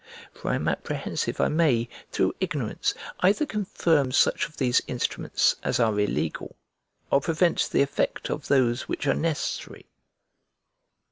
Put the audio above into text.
For I am apprehensive I may, through ignorance, either confirm such of these instruments as are illegal or prevent the effect of those which are necessary.